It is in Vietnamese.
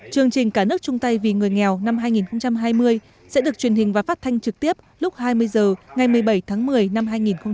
chương trình cả nước chung tay vì người nghèo năm hai nghìn hai mươi sẽ được truyền hình và phát thanh trực tiếp lúc hai mươi h ngày một mươi bảy tháng một mươi năm hai nghìn hai mươi